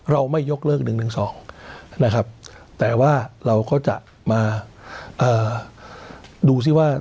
เราไม่ยกเลิก๑๑๒นะครับแต่ว่าเราก็จะมาดูซิว่า